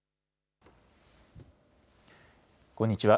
こんにちは。